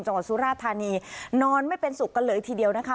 สุราธานีนอนไม่เป็นสุขกันเลยทีเดียวนะคะ